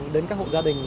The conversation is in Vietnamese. đến các hộ gia đình